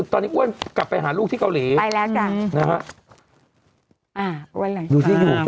ตอนนี้อ้วนกลับไปหาลูกที่เกาหลี